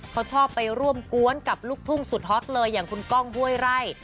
เขาชอบไปร่วมกวนกับลูกทุ่งสุดฮอตเลยอย่างคุณก้องห้วยไร่